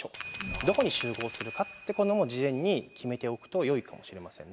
どこに集合するかってことも事前に決めておくとよいかもしれませんね。